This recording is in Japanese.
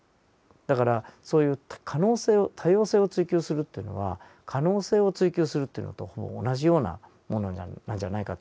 だからそういう可能性を多様性を追求するというのは可能性を追求するというのとほぼ同じようなものなんじゃないかというふうに思います。